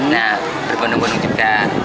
nah berbunung bunung juga